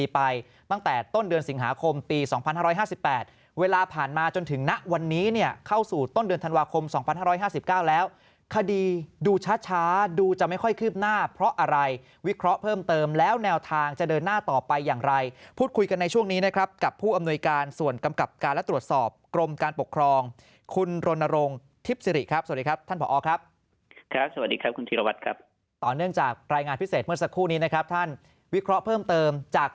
เพราะอะไรวิเคราะห์เพิ่มเติมแล้วแนวทางจะเดินหน้าต่อไปอย่างไรพูดคุยกันในช่วงนี้นะครับกับผู้อำนวยการส่วนกำกับการและตรวจสอบกรมการปกครองคุณรณรงค์ทิพสิริครับสวัสดีครับท่านผอครับครับสวัสดีครับคุณธิรวัตรครับต่อเนื่องจากรายงานพิเศษเมื่อสักครู่นี้นะครับท่านวิเคราะห์เพิ่มเติ